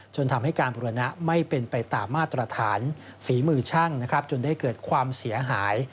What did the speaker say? ทำให้การบุรณะไม่เป็นไปตามมาตรฐานฝีมือช่างจนได้เกิดความเสียหาย